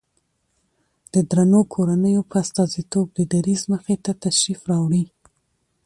د درنو کورنيو په استازيتوب د دريځ مخې ته تشریف راوړي